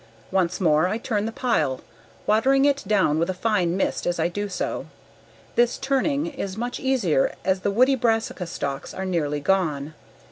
Once more I turn the pile, watering it down with a fine mist as I do so. This turning is much easier as the woody brassica stalks are nearly gone.